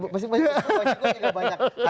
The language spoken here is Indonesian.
masih banyak masih banyak